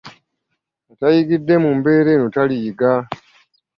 Atayigidde mu mbeera eno taliyiga.